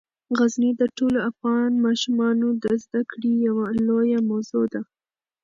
غزني د ټولو افغان ماشومانو د زده کړې یوه لویه موضوع ده.